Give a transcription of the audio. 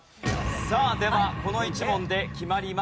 さあではこの１問で決まります。